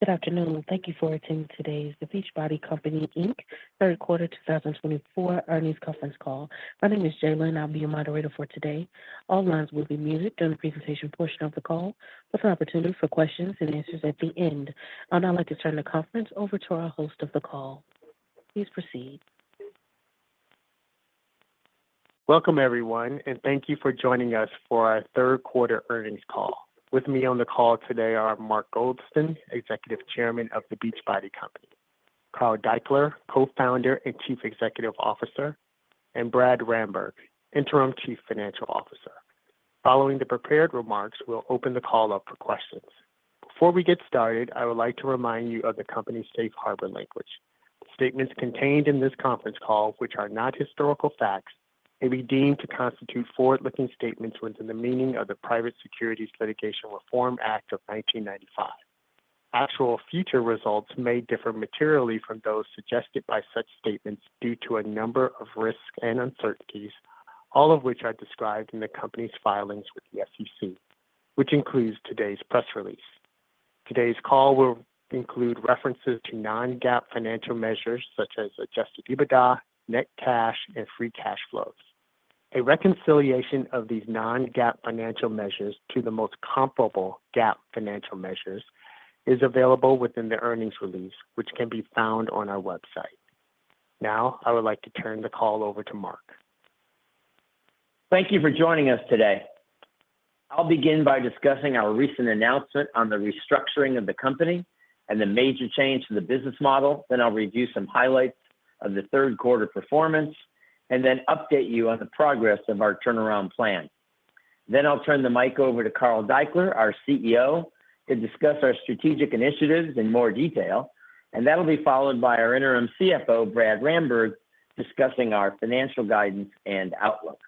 Good afternoon. Thank you for attending today's The Beachbody Company, Inc. Third Quarter 2024 Earnings Conference Call. My name is Jaylyn. I'll be your moderator for today. All lines will be muted during the presentation portion of the call. There's an opportunity for questions and answers at the end. I'd now like to turn the conference over to our host of the call. Please proceed. Welcome, everyone, and thank you for joining us for our third quarter earnings call. With me on the call today are Mark Goldston, Executive Chairman of The Beachbody Company, Carl Daikeler, Co-founder and Chief Executive Officer, and Brad Ramberg, Interim Chief Financial Officer. Following the prepared remarks, we'll open the call up for questions. Before we get started, I would like to remind you of the company's safe harbor language. Statements contained in this conference call, which are not historical facts, may be deemed to constitute forward-looking statements within the meaning of the Private Securities Litigation Reform Act of 1995. Actual future results may differ materially from those suggested by such statements due to a number of risks and uncertainties, all of which are described in the company's filings with the SEC, which includes today's press release. Today's call will include references to non-GAAP financial measures such as Adjusted EBITDA, Net Cash, and Free Cash Flow. A reconciliation of these non-GAAP financial measures to the most comparable GAAP financial measures is available within the earnings release, which can be found on our website. Now, I would like to turn the call over to Mark. Thank you for joining us today. I'll begin by discussing our recent announcement on the restructuring of the company and the major change to the business model. Then I'll review some highlights of the third quarter performance and then update you on the progress of our turnaround plan. Then I'll turn the mic over to Carl Daikeler, our CEO, to discuss our strategic initiatives in more detail, and that'll be followed by our interim CFO, Brad Ramberg, discussing our financial guidance and outlook.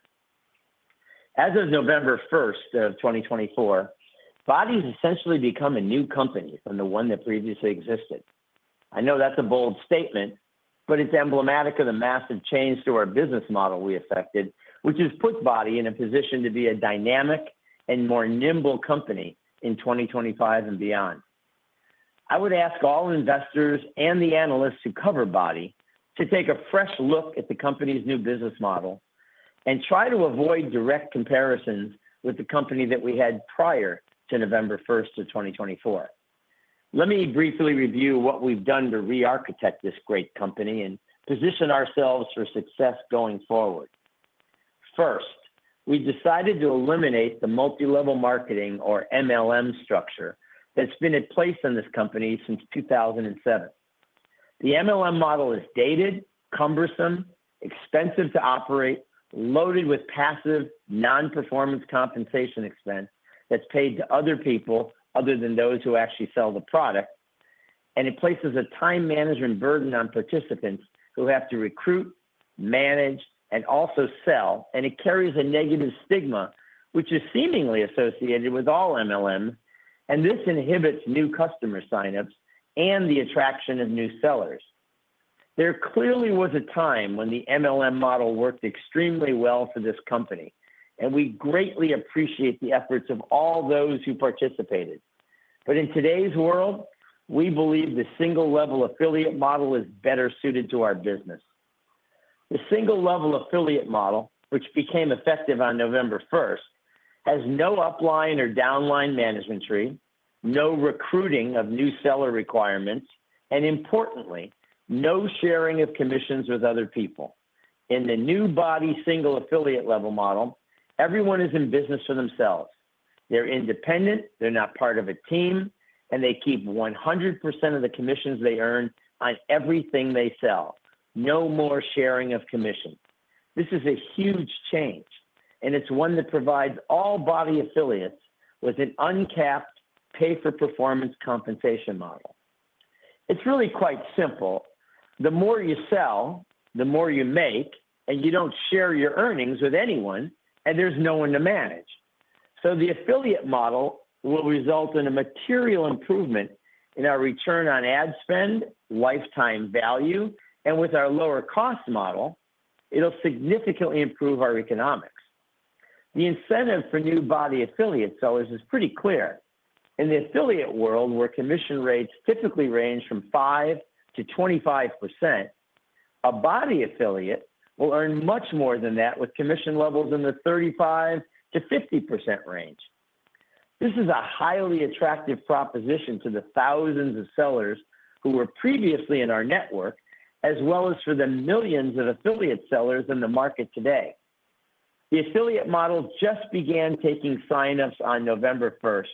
As of November 1st of 2024, BODi has essentially become a new company from the one that previously existed. I know that's a bold statement, but it's emblematic of the massive change to our business model we effected, which has put BODi in a position to be a dynamic and more nimble company in 2025 and beyond. I would ask all investors and the analysts who cover BODi to take a fresh look at the company's new business model and try to avoid direct comparisons with the company that we had prior to November 1st of 2024. Let me briefly review what we've done to re-architect this great company and position ourselves for success going forward. First, we've decided to eliminate the multilevel marketing, or MLM, structure that's been in place in this company since 2007. The MLM model is dated, cumbersome, expensive to operate, loaded with passive, non-performance compensation expense that's paid to other people other than those who actually sell the product, and it places a time management burden on participants who have to recruit, manage, and also sell, and it carries a negative stigma, which is seemingly associated with all MLMs, and this inhibits new customer signups and the attraction of new sellers. There clearly was a time when the MLM model worked extremely well for this company, and we greatly appreciate the efforts of all those who participated. But in today's world, we believe the single-level affiliate model is better suited to our business. The single-level affiliate model, which became effective on November 1st, has no upline or downline management tree, no recruiting of new seller requirements, and importantly, no sharing of commissions with other people. In the new BODi single-affiliate level model, everyone is in business for themselves. They're independent, they're not part of a team, and they keep 100% of the commissions they earn on everything they sell. No more sharing of commissions. This is a huge change, and it's one that provides all BODi affiliates with an uncapped pay-for-performance compensation model. It's really quite simple. The more you sell, the more you make, and you don't share your earnings with anyone, and there's no one to manage. So the affiliate model will result in a material improvement in our return on ad spend, lifetime value, and with our lower-cost model, it'll significantly improve our economics. The incentive for new BODi affiliate sellers is pretty clear. In the affiliate world, where commission rates typically range from 5%-25%, a BODi affiliate will earn much more than that with commission levels in the 35%-50% range. This is a highly attractive proposition to the thousands of sellers who were previously in our network, as well as for the millions of affiliate sellers in the market today. The affiliate model just began taking signups on November 1st,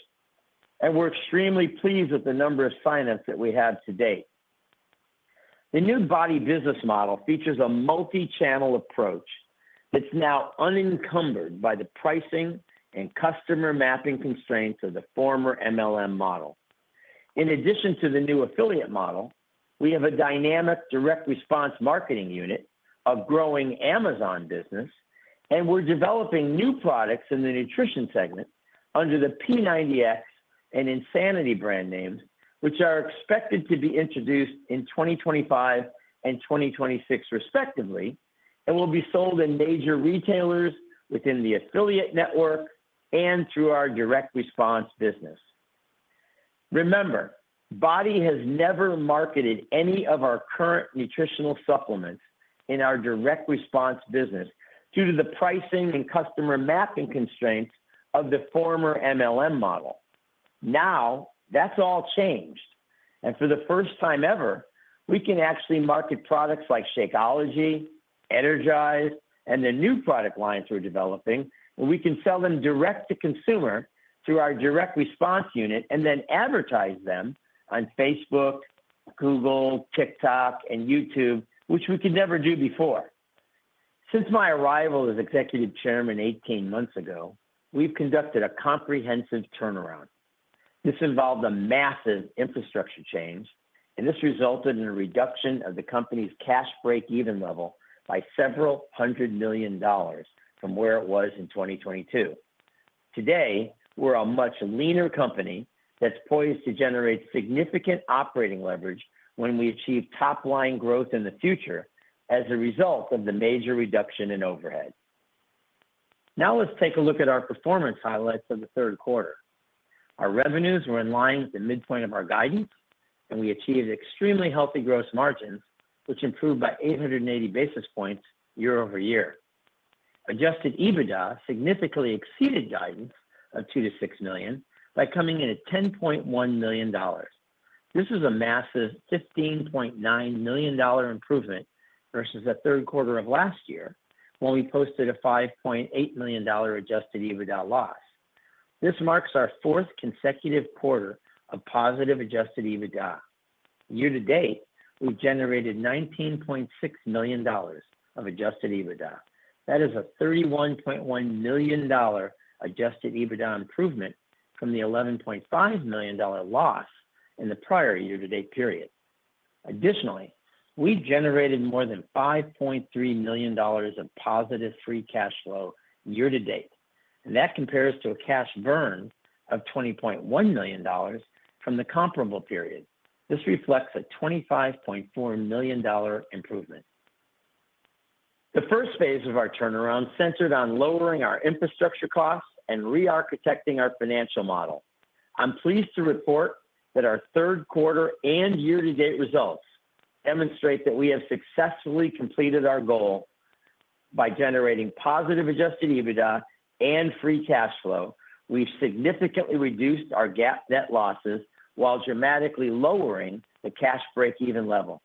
and we're extremely pleased with the number of signups that we have to date. The new BODi business model features a multi-channel approach that's now unencumbered by the pricing and customer mapping constraints of the former MLM model. In addition to the new affiliate model, we have a dynamic direct response marketing unit, a growing Amazon business, and we're developing new products in the nutrition segment under the P90X and Insanity brand names, which are expected to be introduced in 2025 and 2026 respectively, and will be sold in major retailers within the affiliate network and through our direct response business. Remember, BODi has never marketed any of our current nutritional supplements in our direct response business due to the pricing and customer mapping constraints of the former MLM model. Now that's all changed, and for the first time ever, we can actually market products like Shakeology, Energize, and the new product lines we're developing, and we can sell them direct to consumer through our direct response unit and then advertise them on Facebook, Google, TikTok, and YouTube, which we could never do before. Since my arrival as Executive Chairman 18 months ago, we've conducted a comprehensive turnaround. This involved a massive infrastructure change, and this resulted in a reduction of the company's cash break-even level by several hundred million dollars from where it was in 2022. Today, we're a much leaner company that's poised to generate significant operating leverage when we achieve top-line growth in the future as a result of the major reduction in overhead. Now let's take a look at our performance highlights of the third quarter. Our revenues were in line with the midpoint of our guidance, and we achieved extremely healthy gross margins, which improved by 880 basis points year-over-year. Adjusted EBITDA significantly exceeded guidance of $2 million-$6 million by coming in at $10.1 million. This is a massive $15.9 million improvement versus the third quarter of last year when we posted a $5.8 million adjusted EBITDA loss. This marks our fourth consecutive quarter of positive adjusted EBITDA. Year to date, we've generated $19.6 million of adjusted EBITDA. That is a $31.1 million adjusted EBITDA improvement from the $11.5 million loss in the prior year-to-date period. Additionally, we generated more than $5.3 million of positive free cash flow year to date, and that compares to a cash burn of $20.1 million from the comparable period. This reflects a $25.4 million improvement. The first phase of our turnaround centered on lowering our infrastructure costs and re-architecting our financial model. I'm pleased to report that our third quarter and year-to-date results demonstrate that we have successfully completed our goal by generating positive Adjusted EBITDA and Free Cash Flow. We've significantly reduced our GAAP net losses while dramatically lowering the cash break-even level.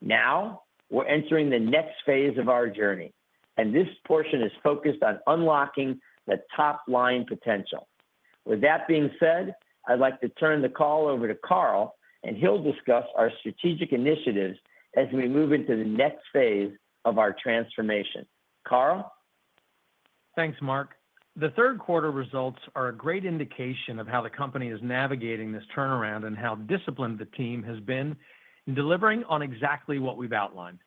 Now we're entering the next phase of our journey, and this portion is focused on unlocking the top-line potential. With that being said, I'd like to turn the call over to Carl, and he'll discuss our strategic initiatives as we move into the next phase of our transformation. Carl? Thanks, Mark. The third quarter results are a great indication of how the company is navigating this turnaround and how disciplined the team has been in delivering on exactly what we've outlined.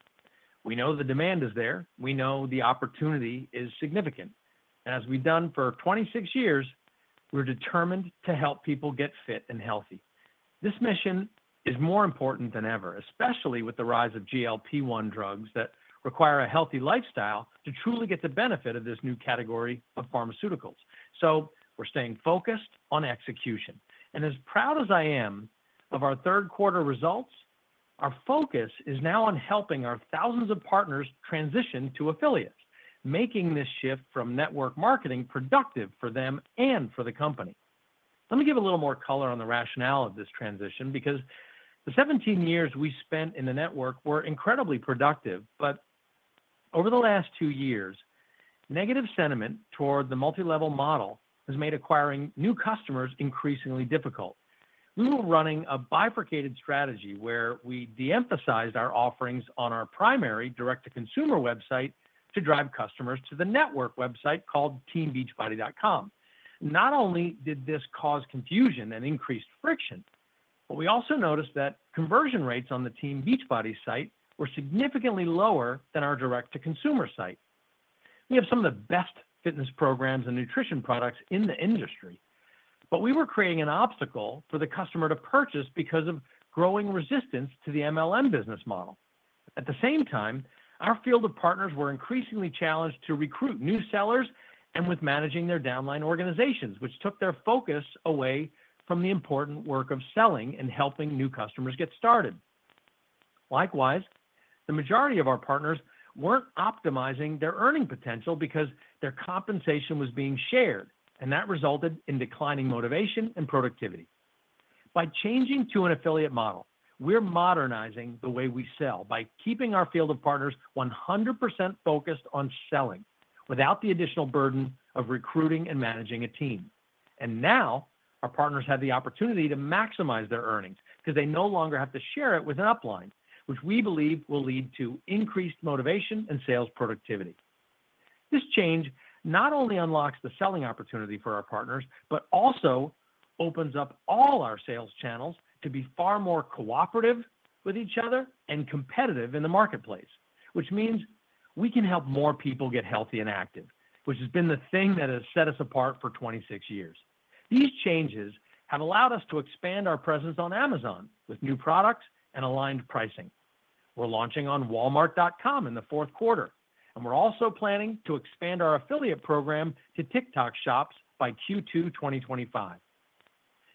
We know the demand is there. We know the opportunity is significant. As we've done for 26 years, we're determined to help people get fit and healthy. This mission is more important than ever, especially with the rise of GLP-1 drugs that require a healthy lifestyle to truly get the benefit of this new category of pharmaceuticals. So we're staying focused on execution. And as proud as I am of our third quarter results, our focus is now on helping our thousands of partners transition to affiliates, making this shift from network marketing productive for them and for the company. Let me give a little more color on the rationale of this transition because the 17 years we spent in the network were incredibly productive, but over the last two years, negative sentiment toward the multilevel model has made acquiring new customers increasingly difficult. We were running a bifurcated strategy where we de-emphasized our offerings on our primary direct-to-consumer website to drive customers to the network website called TeamBeachbody.com. Not only did this cause confusion and increased friction, but we also noticed that conversion rates on the Team Beachbody site were significantly lower than our direct-to-consumer site. We have some of the best fitness programs and nutrition products in the industry, but we were creating an obstacle for the customer to purchase because of growing resistance to the MLM business model. At the same time, our field of partners were increasingly challenged to recruit new sellers and with managing their downline organizations, which took their focus away from the important work of selling and helping new customers get started. Likewise, the majority of our partners weren't optimizing their earning potential because their compensation was being shared, and that resulted in declining motivation and productivity. By changing to an affiliate model, we're modernizing the way we sell by keeping our field of partners 100% focused on selling without the additional burden of recruiting and managing a team. And now our partners have the opportunity to maximize their earnings because they no longer have to share it with an upline, which we believe will lead to increased motivation and sales productivity. This change not only unlocks the selling opportunity for our partners, but also opens up all our sales channels to be far more cooperative with each other and competitive in the marketplace, which means we can help more people get healthy and active, which has been the thing that has set us apart for 26 years. These changes have allowed us to expand our presence on Amazon with new products and aligned pricing. We're launching on Walmart.com in the fourth quarter, and we're also planning to expand our affiliate program to TikTok shops by Q2 2025.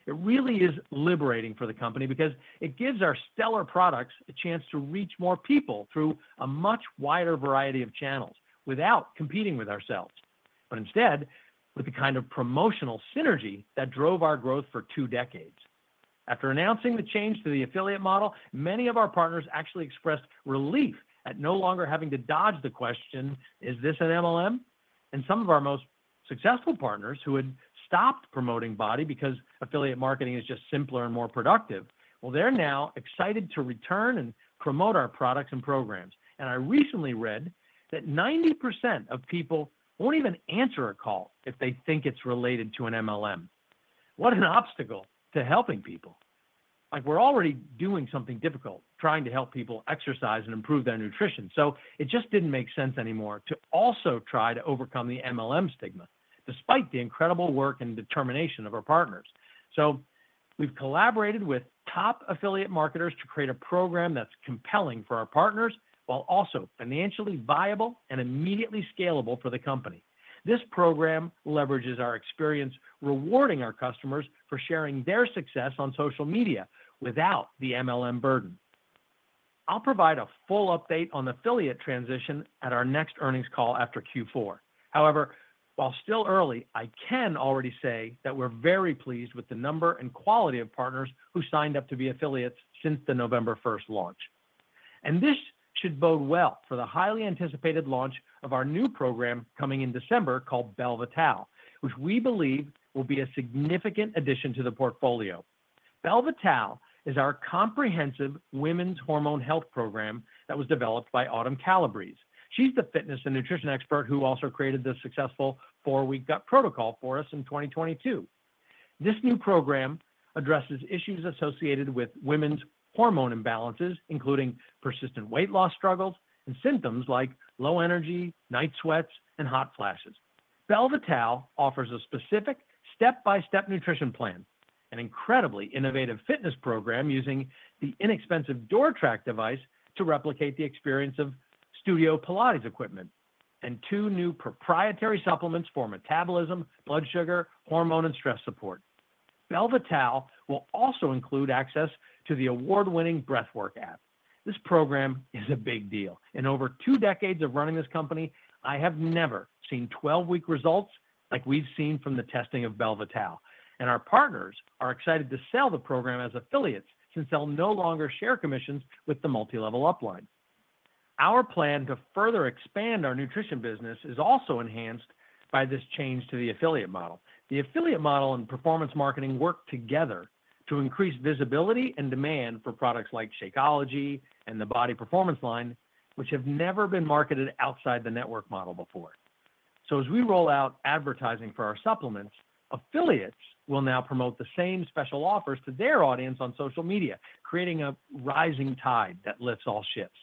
It really is liberating for the company because it gives our stellar products a chance to reach more people through a much wider variety of channels without competing with ourselves, but instead with the kind of promotional synergy that drove our growth for two decades. After announcing the change to the affiliate model, many of our partners actually expressed relief at no longer having to dodge the question, "Is this an MLM?", and some of our most successful partners who had stopped promoting BODi because affiliate marketing is just simpler and more productive, well, they're now excited to return and promote our products and programs, and I recently read that 90% of people won't even answer a call if they think it's related to an MLM. What an obstacle to helping people. We're already doing something difficult trying to help people exercise and improve their nutrition, so it just didn't make sense anymore to also try to overcome the MLM stigma despite the incredible work and determination of our partners. So we've collaborated with top affiliate marketers to create a program that's compelling for our partners while also financially viable and immediately scalable for the company. This program leverages our experience rewarding our customers for sharing their success on social media without the MLM burden. I'll provide a full update on the affiliate transition at our next earnings call after Q4. However, while still early, I can already say that we're very pleased with the number and quality of partners who signed up to be affiliates since the November 1st launch. And this should bode well for the highly anticipated launch of our new program coming in December called Belle Vitale, which we believe will be a significant addition to the portfolio. Belle Vitale is our comprehensive women's hormone health program that was developed by Autumn Calabrese. She's the fitness and nutrition expert who also created the successful 4 Week Gut Protocol for us in 2022. This new program addresses issues associated with women's hormone imbalances, including persistent weight loss struggles and symptoms like low energy, night sweats, and hot flashes. Belle Vitale offers a specific step-by-step nutrition plan, an incredibly innovative fitness program using the inexpensive door track device to replicate the experience of Studio Pilates equipment, and two new proprietary supplements for metabolism, blood sugar, hormone, and stress support. Belle Vitale will also include access to the award-winning Breathwrk app. This program is a big deal. In over two decades of running this company, I have never seen 12-week results like we've seen from the testing of Belle Vitale. And our partners are excited to sell the program as affiliates since they'll no longer share commissions with the multilevel upline. Our plan to further expand our nutrition business is also enhanced by this change to the affiliate model. The affiliate model and performance marketing work together to increase visibility and demand for products like Shakeology and the BODi Performance line, which have never been marketed outside the network model before. So as we roll out advertising for our supplements, affiliates will now promote the same special offers to their audience on social media, creating a rising tide that lifts all ships.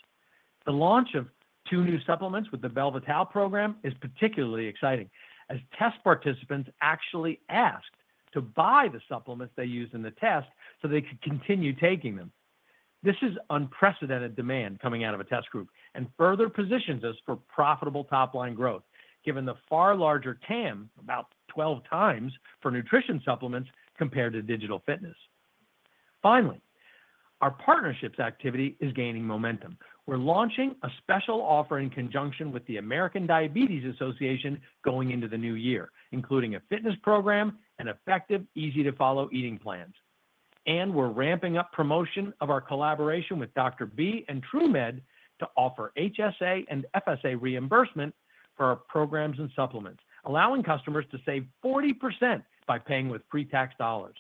The launch of two new supplements with the Belle Vitale program is particularly exciting as test participants actually asked to buy the supplements they used in the test so they could continue taking them. This is unprecedented demand coming out of a test group and further positions us for profitable top-line growth given the far larger TAM, about 12 times, for nutrition supplements compared to digital fitness. Finally, our partnerships activity is gaining momentum. We're launching a special offer in conjunction with the American Diabetes Association going into the new year, including a fitness program and effective, easy-to-follow eating plans, and we're ramping up promotion of our collaboration with Dr. B and TrueMed to offer HSA and FSA reimbursement for our programs and supplements, allowing customers to save 40% by paying with pre-tax dollars.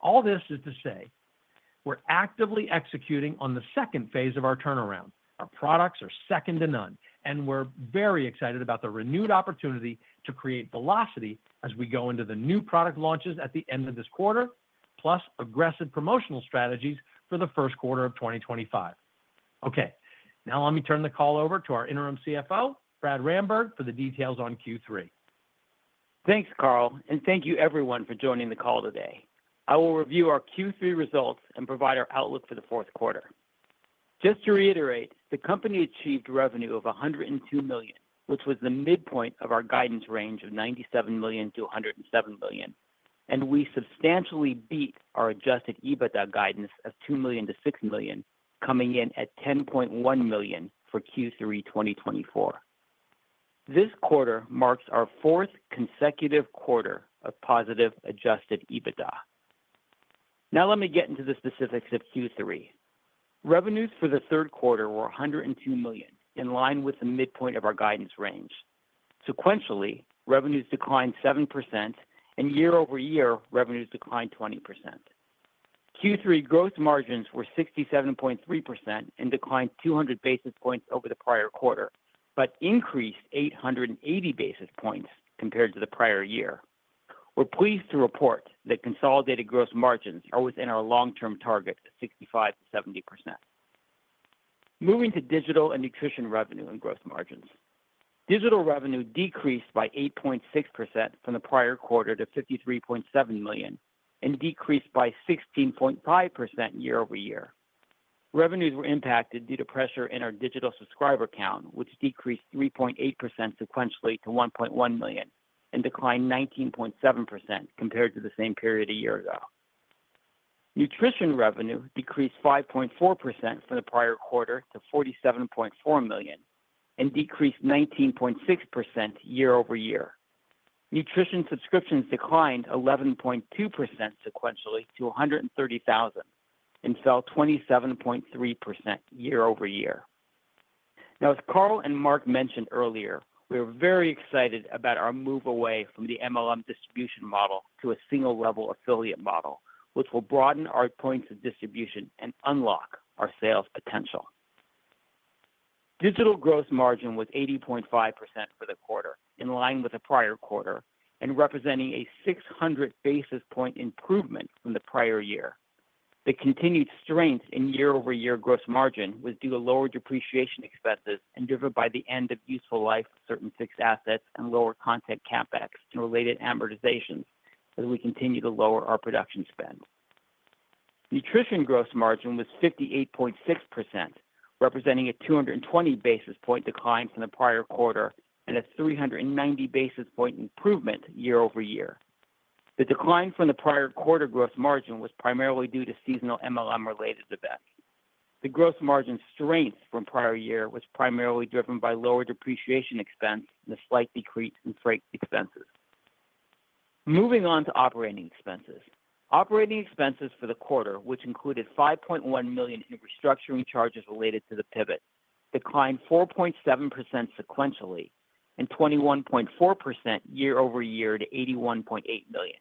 All this is to say we're actively executing on the second phase of our turnaround. Our products are second to none, and we're very excited about the renewed opportunity to create velocity as we go into the new product launches at the end of this quarter, plus aggressive promotional strategies for the first quarter of 2025. Okay. Now let me turn the call over to our Interim CFO, Brad Ramberg, for the details on Q3. Thanks, Carl, and thank you everyone for joining the call today. I will review our Q3 results and provide our outlook for the fourth quarter. Just to reiterate, the company achieved revenue of $102 million, which was the midpoint of our guidance range of $97 million-$107 million. We substantially beat our Adjusted EBITDA guidance of $2 million-$6 million, coming in at $10.1 million for Q3 2024. This quarter marks our fourth consecutive quarter of positive Adjusted EBITDA. Now let me get into the specifics of Q3. Revenues for the third quarter were $102 million, in line with the midpoint of our guidance range. Sequentially, revenues declined 7%, and year-over-year, revenues declined 20%. Q3 gross margins were 67.3% and declined 200 basis points over the prior quarter, but increased 880 basis points compared to the prior year. We're pleased to report that consolidated gross margins are within our long-term target of 65%-70%. Moving to digital and nutrition revenue and gross margins. Digital revenue decreased by 8.6% from the prior quarter to $53.7 million and decreased by 16.5% year-over-year. Revenues were impacted due to pressure in our digital subscriber count, which decreased 3.8% sequentially to 1.1 million and declined 19.7% compared to the same period a year ago. Nutrition revenue decreased 5.4% from the prior quarter to $47.4 million and decreased by 19.6% year-over-year. Nutrition subscriptions declined 11.2% sequentially to 130,000 and fell 27.3% year-over-year. Now, as Carl and Mark mentioned earlier, we are very excited about our move away from the MLM distribution model to a single-level affiliate model, which will broaden our points of distribution and unlock our sales potential. Digital gross margin was 80.5% for the quarter, in line with the prior quarter and representing a 600 basis points improvement from the prior year. The continued strength in year-over-year gross margin was due to lower depreciation expenses and driven by the end-of-useful life of certain fixed assets and lower content CapEx and related amortizations as we continue to lower our production spend. Nutrition gross margin was 58.6%, representing a 220 basis points decline from the prior quarter and a 390 basis points improvement year-over-year. The decline from the prior quarter gross margin was primarily due to seasonal MLM-related events. The gross margin strength from prior year was primarily driven by lower depreciation expense and a slight decrease in freight expenses. Moving on to operating expenses. Operating expenses for the quarter, which included $5.1 million in restructuring charges related to the pivot, declined 4.7% sequentially and 21.4% year-over-year to $81.8 million.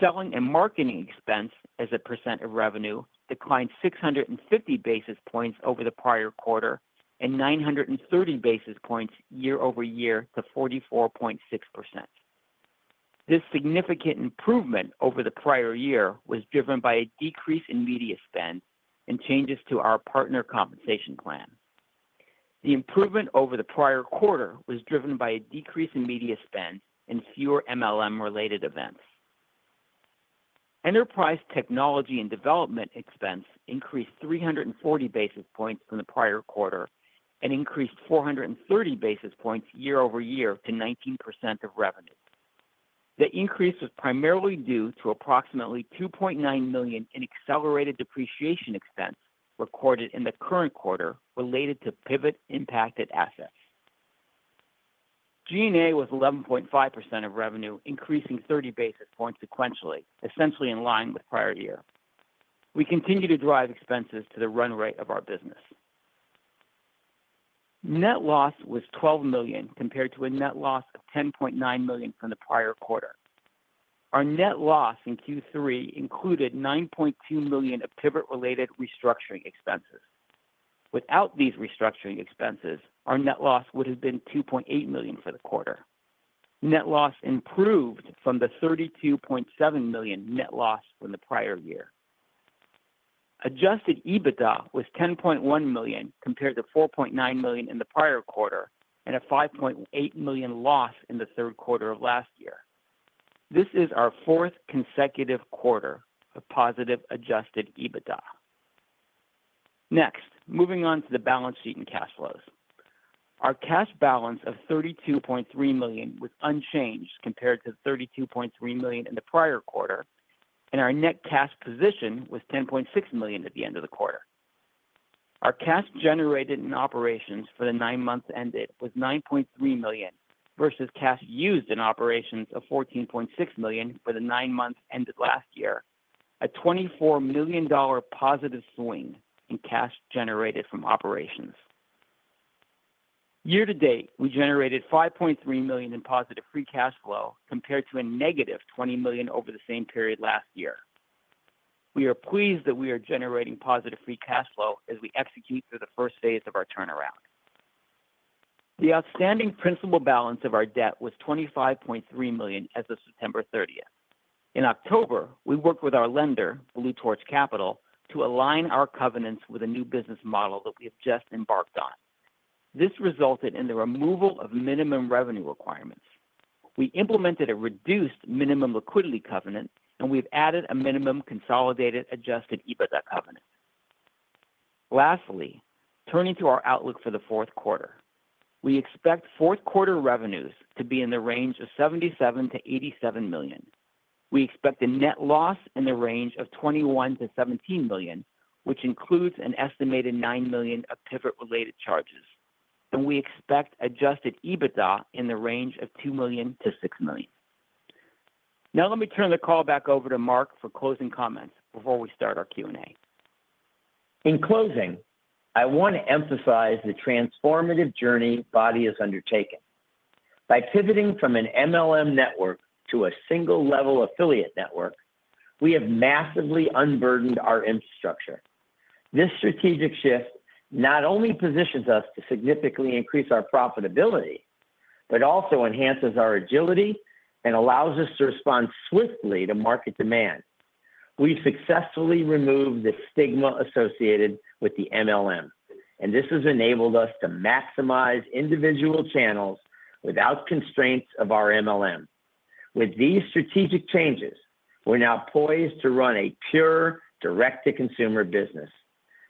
Selling and marketing expense as a percent of revenue declined 650 basis points over the prior quarter and 930 basis points year-over-year to 44.6%. This significant improvement over the prior year was driven by a decrease in media spend and changes to our partner compensation plan. The improvement over the prior quarter was driven by a decrease in media spend and fewer MLM-related events. Enterprise technology and development expense increased 340 basis points from the prior quarter and increased 430 basis points year-over-year to 19% of revenue. The increase was primarily due to approximately $2.9 million in accelerated depreciation expense recorded in the current quarter related to pivot impacted assets. G&A was 11.5% of revenue, increasing 30 basis points sequentially, essentially in line with prior year. We continue to drive expenses to the run rate of our business. Net loss was $12 million compared to a net loss of $10.9 million from the prior quarter. Our net loss in Q3 included $9.2 million of pivot-related restructuring expenses. Without these restructuring expenses, our net loss would have been $2.8 million for the quarter. Net loss improved from the $32.7 million net loss from the prior year. Adjusted EBITDA was $10.1 million compared to $4.9 million in the prior quarter and a $5.8 million loss in the third quarter of last year. This is our fourth consecutive quarter of positive adjusted EBITDA. Next, moving on to the balance sheet and cash flows. Our cash balance of $32.3 million was unchanged compared to $32.3 million in the prior quarter, and our Net Cash position was $10.6 million at the end of the quarter. Our cash generated in operations for the nine months ended was $9.3 million versus cash used in operations of $14.6 million for the nine months ended last year, a $24 million positive swing in cash generated from operations. Year to date, we generated $5.3 million in positive Free Cash Flow compared to a negative $20 million over the same period last year. We are pleased that we are generating positive Free Cash Flow as we execute through the first phase of our turnaround. The outstanding principal balance of our debt was $25.3 million as of September 30th. In October, we worked with our lender, Blue Torch Capital, to align our covenants with a new business model that we have just embarked on. This resulted in the removal of minimum revenue requirements. We implemented a reduced minimum liquidity covenant, and we've added a minimum consolidated Adjusted EBITDA covenant. Lastly, turning to our outlook for the fourth quarter, we expect fourth quarter revenues to be in the range of $77-$87 million. We expect a net loss in the range of $21-$17 million, which includes an estimated $9 million of pivot-related charges. We expect Adjusted EBITDA in the range of $2-$6 million. Now let me turn the call back over to Mark for closing comments before we start our Q&A. In closing, I want to emphasize the transformative journey BODi has undertaken. By pivoting from an MLM network to a single-level affiliate network, we have massively unburdened our infrastructure. This strategic shift not only positions us to significantly increase our profitability, but also enhances our agility and allows us to respond swiftly to market demand. We've successfully removed the stigma associated with the MLM, and this has enabled us to maximize individual channels without constraints of our MLM. With these strategic changes, we're now poised to run a pure direct-to-consumer business.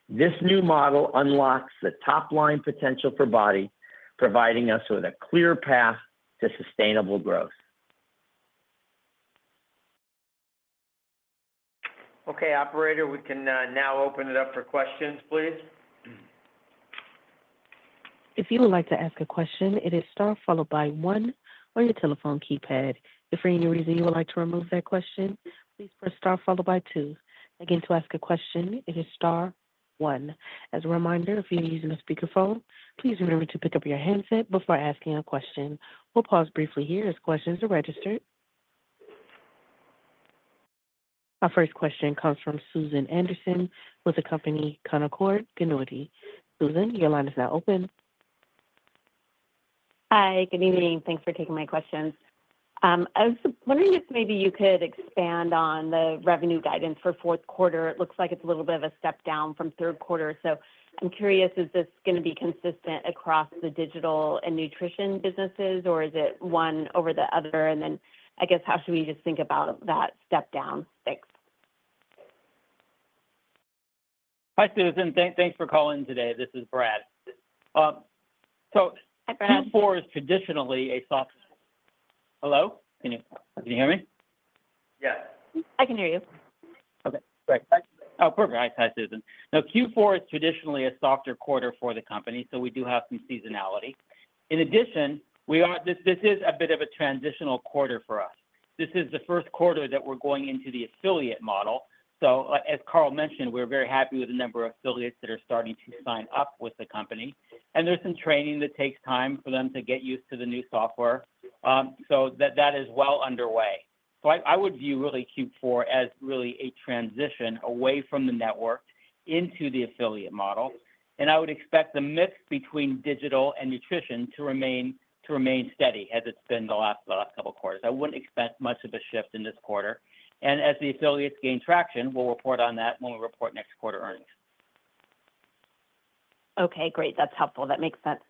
This new model unlocks the top-line potential for BODi, providing us with a clear path to sustainable growth. Okay, operator, we can now open it up for questions, please. If you would like to ask a question, it is star followed by one on your telephone keypad. If for any reason you would like to remove that question, please press star followed by two. Again, to ask a question, it is star one. As a reminder, if you're using a speakerphone, please remember to pick up your handset before asking a question. We'll pause briefly here as questions are registered. Our first question comes from Susan Anderson with the company Canaccord Genuity. Susan, your line is now open. Hi, good evening. Thanks for taking my questions. I was wondering if maybe you could expand on the revenue guidance for fourth quarter. It looks like it's a little bit of a step down from third quarter. So I'm curious, is this going to be consistent across the digital and nutrition businesses, or is it one over the other? And then I guess, how should we just think about that step down fix? Hi, Susan. Thanks for calling in today. This is Brad. Hi, Brad. Q4 is traditionally a softer. Hello? Can you hear me? Yes. I can hear you. Okay. Great. Oh, perfect. Hi, Susan. Now, Q4 is traditionally a softer quarter for the company, so we do have some seasonality. In addition, this is a bit of a transitional quarter for us. This is the first quarter that we're going into the affiliate model. So as Carl mentioned, we're very happy with the number of affiliates that are starting to sign up with the company. And there's some training that takes time for them to get used to the new software. So that is well underway. So I would view really Q4 as really a transition away from the network into the affiliate model. And I would expect the mix between digital and nutrition to remain steady as it's been the last couple of quarters. I wouldn't expect much of a shift in this quarter. As the affiliates gain traction, we'll report on that when we report next quarter earnings. Okay. Great. That's helpful. That makes sense.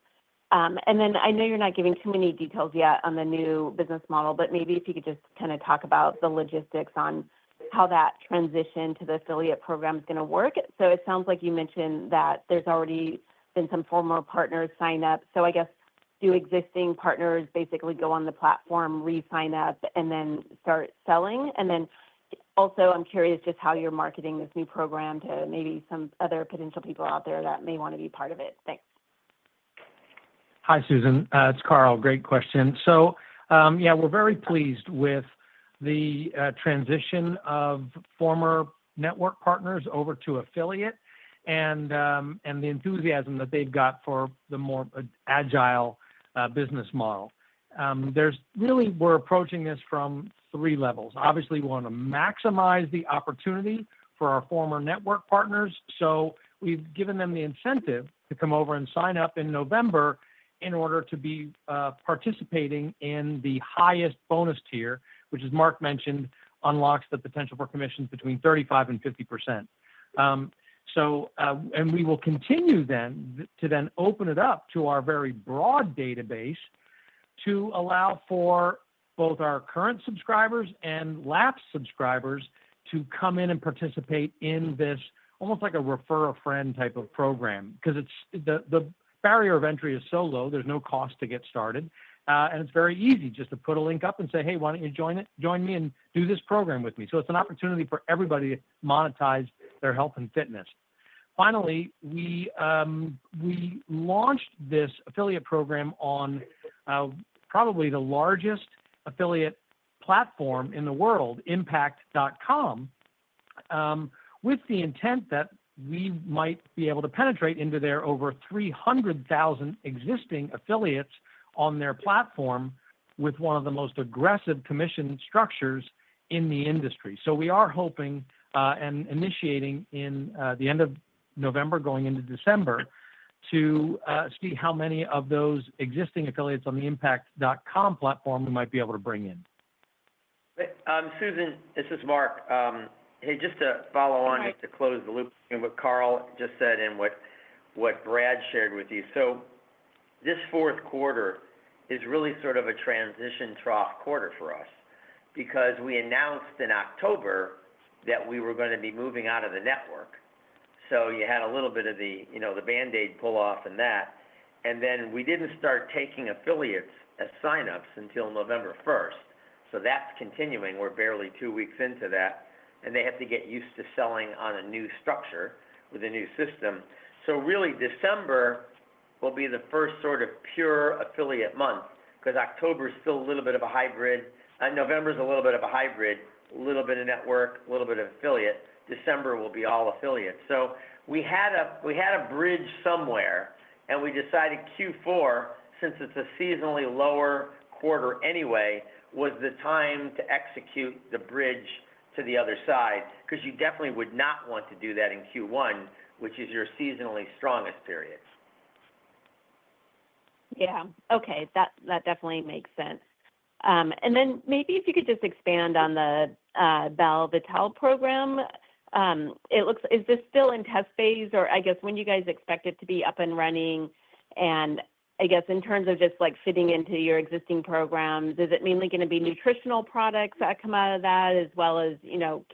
And then I know you're not giving too many details yet on the new business model, but maybe if you could just kind of talk about the logistics on how that transition to the affiliate program is going to work. So it sounds like you mentioned that there's already been some former partners sign up. So I guess, do existing partners basically go on the platform, re-sign up, and then start selling? And then also, I'm curious just how you're marketing this new program to maybe some other potential people out there that may want to be part of it. Thanks. Hi, Susan. It's Carl. Great question. So yeah, we're very pleased with the transition of former network partners over to affiliate and the enthusiasm that they've got for the more agile business model. Really, we're approaching this from three levels. Obviously, we want to maximize the opportunity for our former network partners. So we've given them the incentive to come over and sign up in November in order to be participating in the highest bonus tier, which, as Mark mentioned, unlocks the potential for commissions between 35% and 50%. And we will continue then to open it up to our very broad database to allow for both our current subscribers and lapse subscribers to come in and participate in this almost like a refer a friend type of program because the barrier of entry is so low, there's no cost to get started. And it's very easy just to put a link up and say, "Hey, why don't you join me and do this program with me?" So it's an opportunity for everybody to monetize their health and fitness. Finally, we launched this affiliate program on probably the largest affiliate platform in the world, impact.com, with the intent that we might be able to penetrate into their over 300,000 existing affiliates on their platform with one of the most aggressive commission structures in the industry. So we are hoping and initiating in the end of November, going into December, to see how many of those existing affiliates on the impact.com platform we might be able to bring in. Susan, this is Mark. Hey, just to follow on just to close the loop with what Carl just said and what Brad shared with you. So this fourth quarter is really sort of a transition trough quarter for us because we announced in October that we were going to be moving out of the network. So you had a little bit of the Band-Aid pull-off and that. And then we didn't start taking affiliates as sign-ups until November 1st. So that's continuing. We're barely two weeks into that. And they have to get used to selling on a new structure with a new system. So really, December will be the first sort of pure affiliate month because October is still a little bit of a hybrid. November is a little bit of a hybrid, a little bit of network, a little bit of affiliate. December will be all affiliates. So we had a bridge somewhere, and we decided Q4, since it's a seasonally lower quarter anyway, was the time to execute the bridge to the other side because you definitely would not want to do that in Q1, which is your seasonally strongest period. Yeah. Okay. That definitely makes sense. And then maybe if you could just expand on the Belle Vitale program? Is this still in test phase? Or I guess, when do you guys expect it to be up and running? And I guess, in terms of just fitting into your existing programs, is it mainly going to be nutritional products that come out of that as well as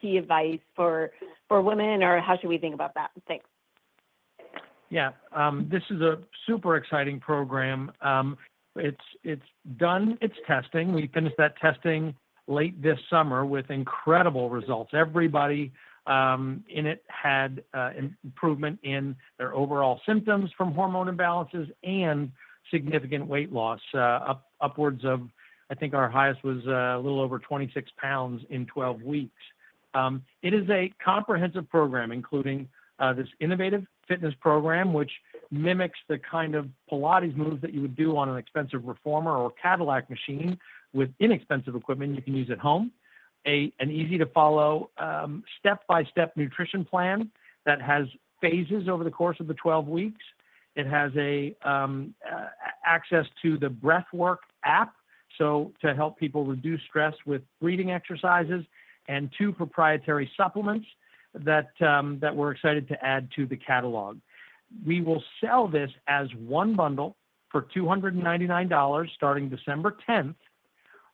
key advice for women, or how should we think about that? Thanks. Yeah. This is a super exciting program. It's done. It's testing. We finished that testing late this summer with incredible results. Everybody in it had improvement in their overall symptoms from hormone imbalances and significant weight loss upwards of, I think our highest was a little over 26 pounds in 12 weeks. It is a comprehensive program, including this innovative fitness program, which mimics the kind of Pilates moves that you would do on an expensive reformer or Cadillac machine with inexpensive equipment you can use at home, an easy-to-follow step-by-step nutrition plan that has phases over the course of the 12 weeks. It has access to the Breathwrk app to help people reduce stress with breathing exercises and two proprietary supplements that we're excited to add to the catalog. We will sell this as one bundle for $299 starting December 10th.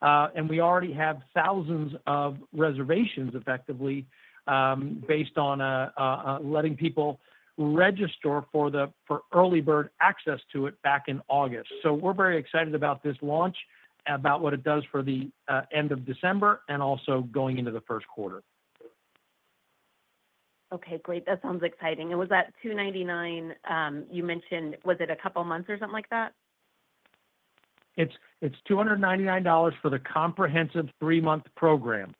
And we already have thousands of reservations effectively based on letting people register for Early Bird access to it back in August. So we're very excited about this launch, about what it does for the end of December and also going into the first quarter. Okay. Great. That sounds exciting, and was that $299 you mentioned? Was it a couple of months or something like that? It's $299 for the comprehensive three-month program.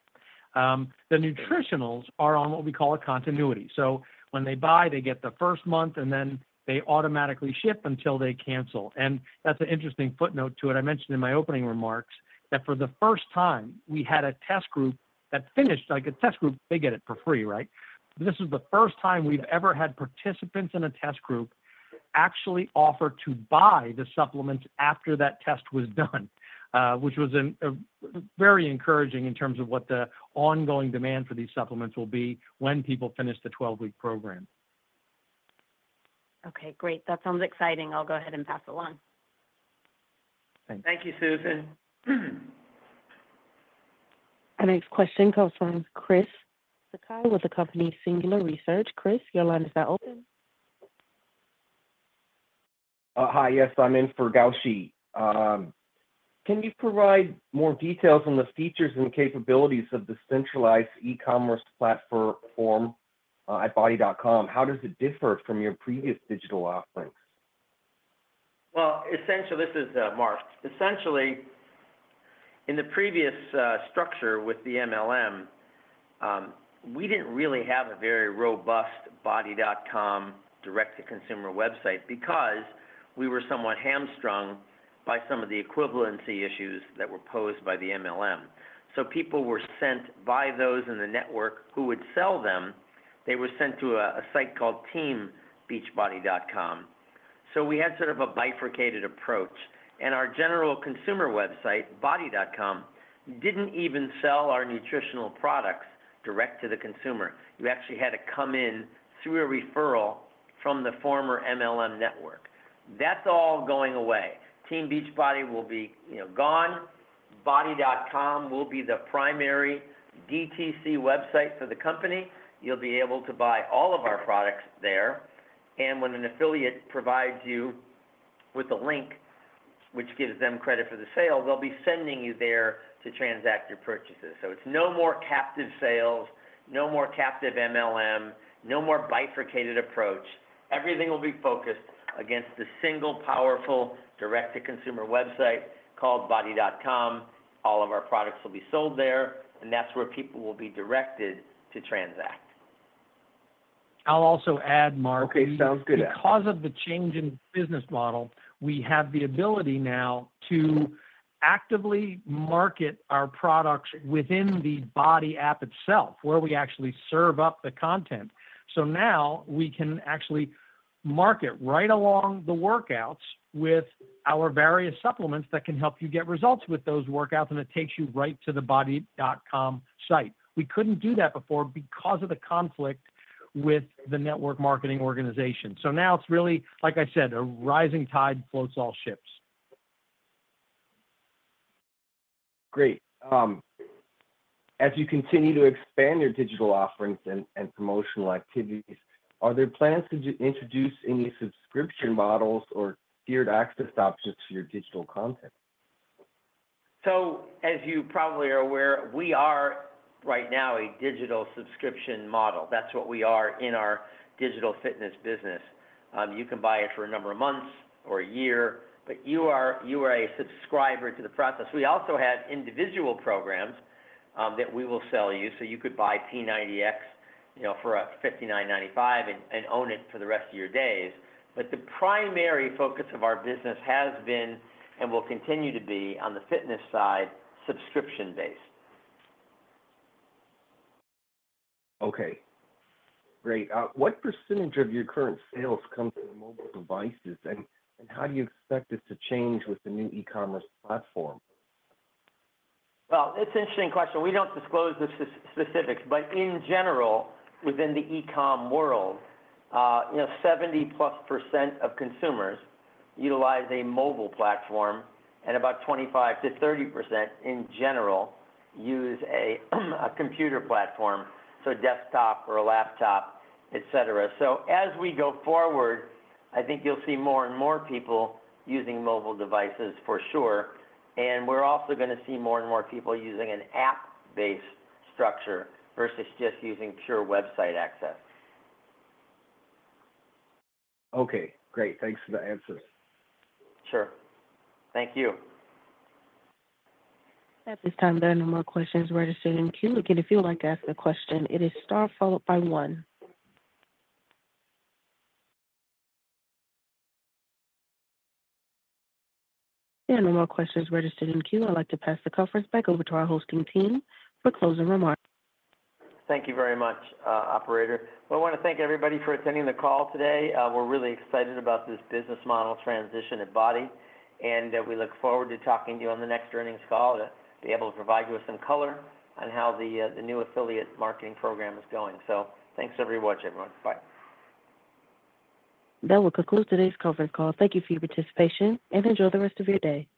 The nutritionals are on what we call a continuity. So when they buy, they get the first month, and then they automatically ship until they cancel. And that's an interesting footnote to it. I mentioned in my opening remarks that for the first time, we had a test group that finished. They get it for free, right? This is the first time we've ever had participants in a test group actually offer to buy the supplements after that test was done, which was very encouraging in terms of what the ongoing demand for these supplements will be when people finish the 12-week program. Okay. Great. That sounds exciting. I'll go ahead and pass along. Thank you, Susan. Our next question comes from Chris Sakai with the company Singular Research. Chris, your line is now open. Hi. Yes, I'm in for Gowshi. Can you provide more details on the features and capabilities of the centralized e-commerce platform at BODi.com? How does it differ from your previous digital offerings? This is Mark. Essentially, in the previous structure with the MLM, we didn't really have a very robust BODi.com direct-to-consumer website because we were somewhat hamstrung by some of the equivalency issues that were posed by the MLM. People were sent by those in the network who would sell them. They were sent to a site called teambeachbody.com. We had sort of a bifurcated approach. Our general consumer website, body.com, didn't even sell our nutritional products direct to the consumer. You actually had to come in through a referral from the former MLM network. That's all going away. Team Beachbody will be gone. BODi.com will be the primary DTC website for the company. You'll be able to buy all of our products there. When an affiliate provides you with a link, which gives them credit for the sale, they'll be sending you there to transact your purchases. It's no more captive sales, no more captive MLM, no more bifurcated approach. Everything will be focused against the single powerful direct-to-consumer website called body.com. All of our products will be sold there, and that's where people will be directed to transact. I'll also add, Mark. Okay. Sounds good. Because of the change in business model, we have the ability now to actively market our products within the BODi app itself, where we actually serve up the content. So now we can actually market right along the workouts with our various supplements that can help you get results with those workouts, and it takes you right to the BODi.com site. We couldn't do that before because of the conflict with the network marketing organization. So now it's really, like I said, a rising tide floats all ships. Great. As you continue to expand your digital offerings and promotional activities, are there plans to introduce any subscription models or tiered access options to your digital content? As you probably are aware, we are right now a digital subscription model. That's what we are in our digital fitness business. You can buy it for a number of months or a year, but you are a subscriber to the process. We also have individual programs that we will sell you. You could buy P90X for $59.95 and own it for the rest of your days. But the primary focus of our business has been and will continue to be on the fitness side subscription-based. Okay. Great. What percentage of your current sales come from mobile devices, and how do you expect this to change with the new e-commerce platform? It's an interesting question. We don't disclose the specifics. In general, within the e-com world, 70-plus% of consumers utilize a mobile platform, and about 25% to 30% in general use a computer platform, so desktop or a laptop, etc. As we go forward, I think you'll see more and more people using mobile devices for sure. We're also going to see more and more people using an app-based structure versus just using pure website access. Okay. Great. Thanks for the answers. Sure. Thank you. At this time, there are no more questions registered in queue. Again, if you would like to ask a question, it is star followed by one. There are no more questions registered in queue. I'd like to pass the conference back over to our hosting team for closing remarks. Thank you very much, operator. I want to thank everybody for attending the call today. We're really excited about this business model transition at BODi, and we look forward to talking to you on the next earnings call to be able to provide you with some color on how the new affiliate marketing program is going. Thanks for watching, everyone. Bye. That will conclude today's conference call. Thank you for your participation and enjoy the rest of your day.